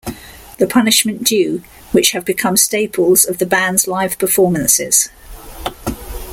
The Punishment Due, which have become staples of the band's live performances.